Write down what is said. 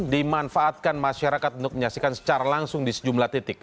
dimanfaatkan masyarakat untuk menyaksikan secara langsung di sejumlah titik